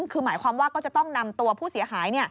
คือหมายความว่าก็จะต้องนำตัวผู้เสียหาย